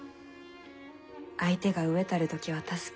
相手が飢えたる時は助け